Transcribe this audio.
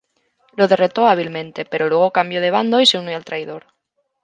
Lo derrotó hábilmente, pero luego cambio de bando y se unió al traidor.